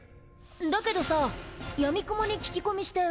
だけどさやみくもに聞き込みしてうまくいくかな。